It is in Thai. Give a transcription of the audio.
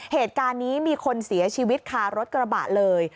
เหตุการณ์นี้มีคนเสียชีวิตคารถกระบะเลย